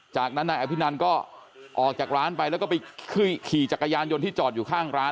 จากนั้นนายอภินันก็ออกจากร้านไปแล้วก็ไปขี่จักรยานยนต์ที่จอดอยู่ข้างร้าน